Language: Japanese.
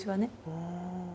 うん。